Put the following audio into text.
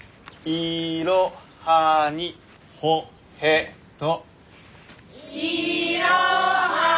「いろはにほへと」。